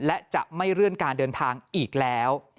และจะไม่เลื่อนการเดินทางอีกแล้ว